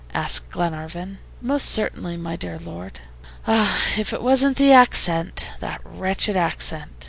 asked Glenarvan. "Most certainly, my dear Lord. Ah, if it wasn't the accent, that wretched accent!"